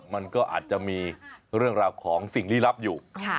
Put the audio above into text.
มันก็อาจจะมีเรื่องราวของสิ่งลี้ลับอยู่